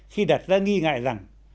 khi đặt ra nghi ngại rằng